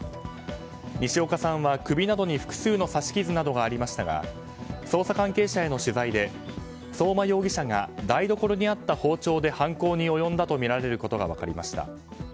西岡さんは首などに複数の刺し傷などがありましたが捜査関係者への取材で相馬容疑者が台所にあった包丁で犯行に及んだとみられることが分かりました。